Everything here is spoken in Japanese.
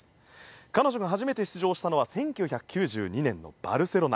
彼女が初めて出場したのは１９９２年のバルセロナ。